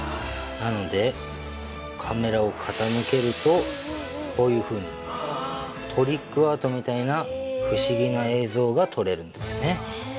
なのでカメラを傾けるとこういうふうにトリックアートみたいな不思議な映像が撮れるんですよねへえ